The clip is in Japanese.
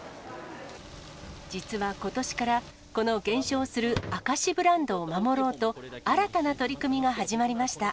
実はことしから、この減少する明石ブランドを守ろうと、新たな取り組みが始まりました。